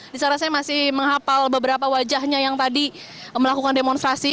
di sana saya masih menghapal beberapa wajahnya yang tadi melakukan demonstrasi